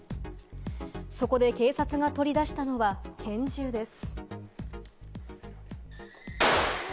そこで警察が取り出したのは拳銃です。